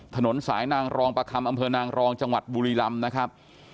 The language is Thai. ถนนสายนางรองประคำอำเภอนางรองจังหวัดบุรีลำนะครับ